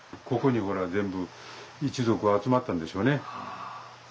ここにほら全部一族が集まったんでしょうね。